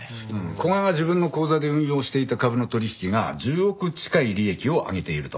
古賀が自分の口座で運用していた株の取引が１０億近い利益を上げていると。